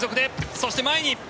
そして前に。